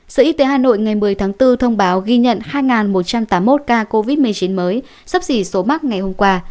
sở y tế hà nội ngày một mươi tháng bốn thông báo ghi nhận hai một trăm tám mươi một ca covid một mươi chín mới sắp xỉ số mắc ngày hôm qua